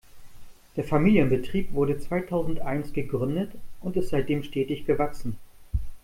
Der Familienbetrieb wurde zweitausendeins gegründet und ist seitdem stetig gewachsen.